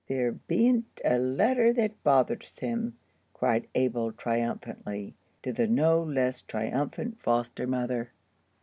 "There bean't a letter that bothers him," cried Abel, triumphantly, to the no less triumphant foster mother.